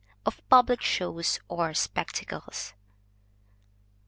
_Of Public Shows or Spectacles.